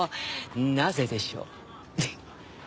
なぜでしょう？